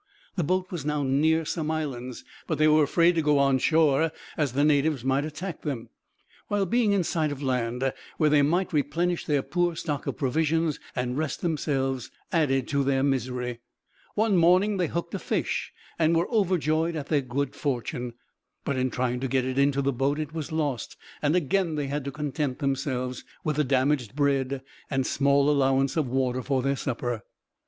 The boat was now near some islands, but they were afraid to go on shore, as the natives might attack them; while being in sight of land, where they might replenish their poor stock of provisions and rest themselves, added to their misery. One morning they hooked a fish, and were overjoyed at their good fortune; but in trying to get it into the boat it was lost, and again they had to content themselves with the damaged bread and small allowance of water for their supper.